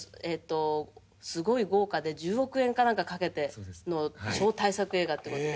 「すごい豪華で１０億円か何かかけての超大作映画ってことで。